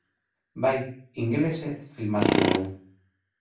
Bai, ingelesez filmatu dugu.